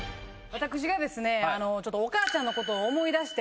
私がですね。